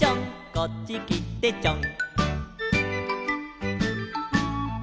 「こっちきてちょん」